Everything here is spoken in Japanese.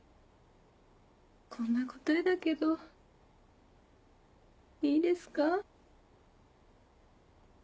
こんな答えだけどいいですか？